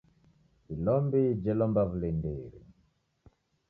Ilombi jelomba w'ulindiri.